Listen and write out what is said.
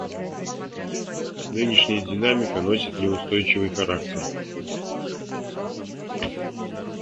Нынешняя динамика носит неустойчивый характер.